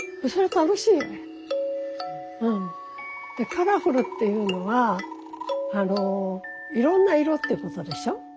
カラフルっていうのはいろんな色ってことでしょ。